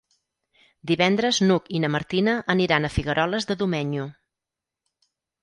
Divendres n'Hug i na Martina aniran a Figueroles de Domenyo.